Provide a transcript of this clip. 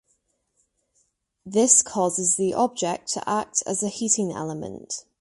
This causes the object to act as a heating element.